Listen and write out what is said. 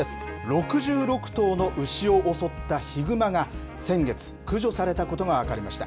６６頭の牛を襲ったヒグマが先月、駆除されたことが分かりました。